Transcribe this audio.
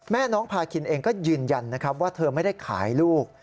แม่น้องพากินเองก็ยืนยันว่าเธอไม่ได้ขายลูก